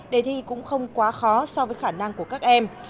đề thi cũng không quá khó so với khả năng của các em